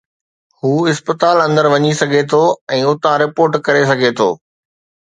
هو اسپتال اندر وڃي سگهي ٿو ۽ اتان رپورٽ ڪري سگهي ٿو.